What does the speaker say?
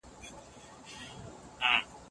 مثبت فکر روغتیا نه زیانمنوي.